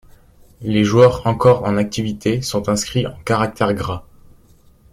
Les joueurs encore en activité sont inscrits en caractères gras.